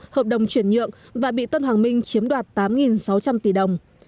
hợp đồng chuyển nhượng và bị tân hoàng minh chiếm đoạt tám sáu trăm linh tỷ đồng